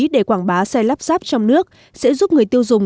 để quảng bá xe lắp ráp trong nước sẽ giúp người tiêu dùng